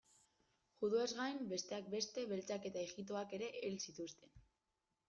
Juduez gain, besteak beste, beltzak eta ijitoak ere hil zituzten.